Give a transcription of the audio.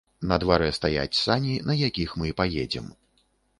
На дварэ стаяць сані, на якіх мы паедзем.